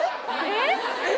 えっ？